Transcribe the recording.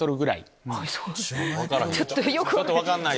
ちょっとよく分かんない。